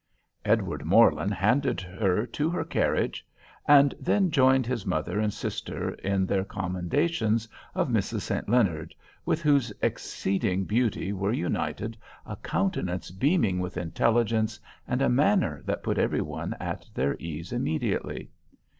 Edward Morland handed her to her carriage, and then joined his mother and sister in their commendations of Mrs. St. Leonard, with whose exceeding beauty were united a countenance beaming with intelligence, and a manner that put every one at their ease immediately.